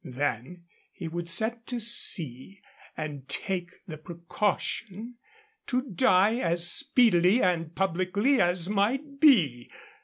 Then he would set to sea and take the precaution to die as speedily and publicly as might be.